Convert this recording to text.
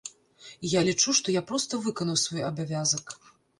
І я лічу, што я проста выканаў свой абавязак.